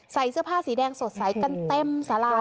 ใส่เสื้อผ้าสีแดงสดใสกันเต็มสารา